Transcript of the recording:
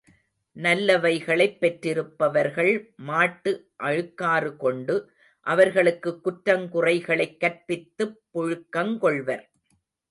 நல்லவைகளைப் பெற்றிருப்பவர்கள் மாட்டு அழுக்காறு கொண்டு அவர்களுக்குக் குற்றங் குறைகளைக் கற்பித்துப் புழுக்கங் கொள்வர்!